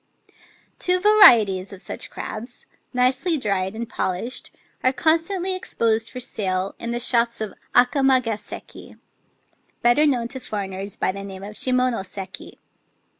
Two varieties of such crabs — nicely dried and polished — are constantly exposed for sale in the shops of Akamagaseki (better known to foreigners by the name of Shimonoseki).